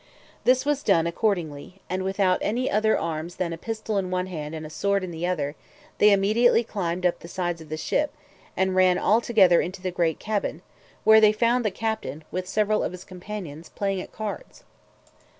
This was done accordingly, and without any other arms than a pistol in one hand and a sword in the other, they immediately climbed up the sides of the ship, and ran altogether into the great cabin, where they found the captain, with several of his companions, playing at cards.